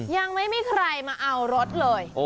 ยังไม่มีใครมาเอารถเลย